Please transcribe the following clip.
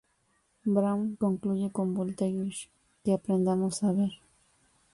Brown concluye, con Voltaire, que aprendemos a ver.